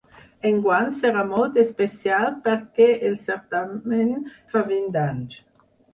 Enguany serà molt especial perquè el certamen fa vint anys.